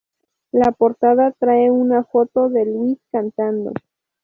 La portada trae una foto de Luis cantando.